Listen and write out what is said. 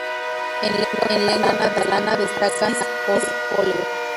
En lengua catalana destaca Narcís Oller.